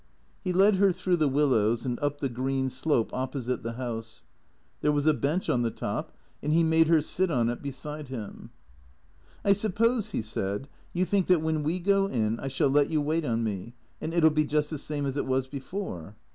He led her through the willows, and up the green slope oppo site the house. There was a bench on the top, and he made her sit on it beside him. " I suppose," he said, " you think that when we go in I shall let you wait on me, and it '11 be just the same as it was be fore?"